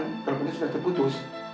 teleponnya sudah terputus